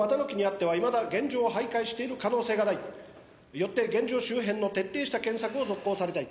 よって現場周辺の徹底した検索を続行されたい。